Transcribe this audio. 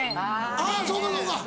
あぁそうかそうか。